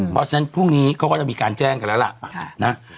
เพราะฉะนั้นพรุ่งนี้เขาก็จะมีการแจ้งกันแล้วล่ะนะ